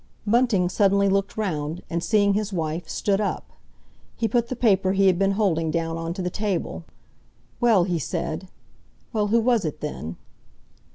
Bunting suddenly looked round, and, seeing his wife, stood up. He put the paper he had been holding down on to the table: "Well," he said, "well, who was it, then?"